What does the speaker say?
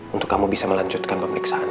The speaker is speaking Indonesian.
untuk kamu bisa melanjutkan pemeriksaan